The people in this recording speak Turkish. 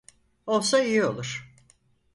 Olsa iyi olur.